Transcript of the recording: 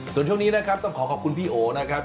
ส่วนช่วงนี้นะครับต้องขอขอบคุณพี่โอนะครับ